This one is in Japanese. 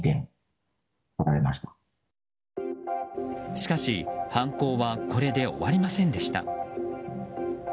しかし、犯行はこれで終わりませんでした。